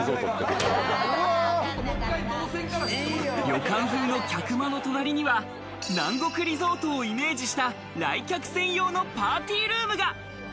旅館風の客間の隣には、南国リゾートをイメージした、来客専用のパーティールームが。